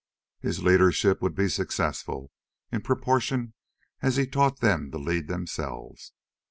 His leadership would be successful in proportion as he taught them to lead themselves.